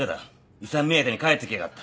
遺産目当てに帰ってきやがった。